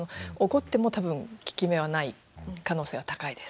怒っても多分効き目はない可能性は高いです。